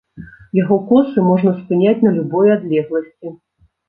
Яго косы можна спыняць на любой адлегласці.